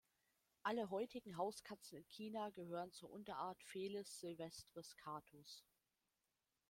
Alle heutigen Hauskatzen in China gehören zur Unterart "Felis silvestris catus".